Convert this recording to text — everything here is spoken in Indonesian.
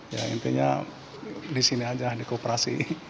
ya intinya di sini aja di kooperasi